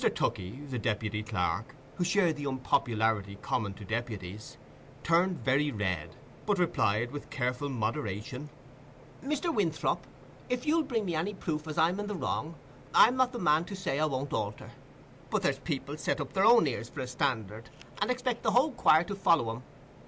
Tookey, the deputy clerk, who shared the unpopularity common to deputies, turned very red, but replied, with careful moderation—"Mr. Winthrop, if you'll bring me any proof as I'm in the wrong, I'm not the man to say I won't alter. But there's people set up their own ears for a standard, and expect the whole choir to follow 'em.